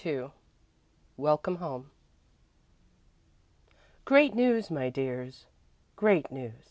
II WELCOME HOME "Great news, my dears, great news!"